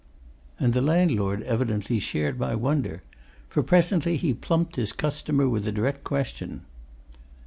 And the landlord evidently shared my wonder, for presently he plumped his customer with a direct question.